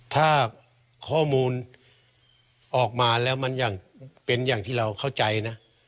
ถ้าข้อมูลออกมาแล้วมันอย่างเป็นอย่างที่เราเข้าใจนะ